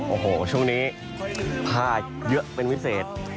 โอ้โหช่วงนี้ผ้าเยอะเป็นพิเศษ